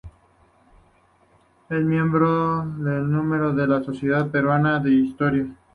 Es miembro de número de la Sociedad Peruana de Historia.